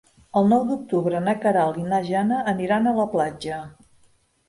El nou d'octubre na Queralt i na Jana aniran a la platja.